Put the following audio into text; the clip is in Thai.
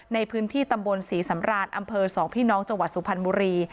ในพื้นที่ตำบลศรีสำรานอำเภอ๒พี่น้องจังหวัดสุพรรณบุรี